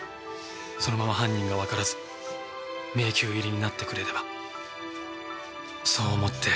そのまま犯人がわからず迷宮入りになってくれればそう思って。